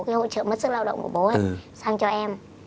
cái hỗ trợ mất sức lao động của bố mình sang cho em